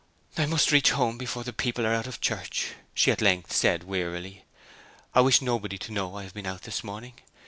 'I must reach home before the people are out of church,' she at length said wearily. 'I wish nobody to know I have been out this morning.'